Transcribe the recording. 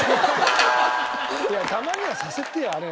いやたまにはさせてよあれ。